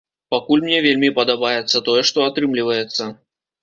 Пакуль мне вельмі падабаецца тое, што атрымліваецца.